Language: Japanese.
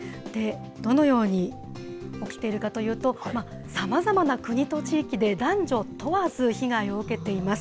どのように起きているかというと、さまざまな国と地域で男女問わず被害を受けています。